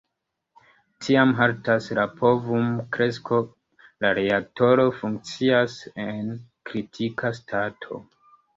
Tiam haltas la povum-kresko, la reaktoro funkcias en "kritika stato".